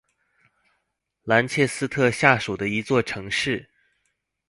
兰切斯特下属的一座城市。